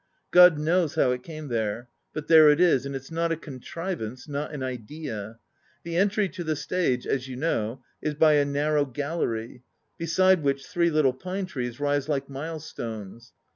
God knows how it came there; but there it is, and it's not a contrivance, not an 'idea.' The entry to the stage, as you know, is by a narrow gallery, beside which three little pine trees rise like mile stones.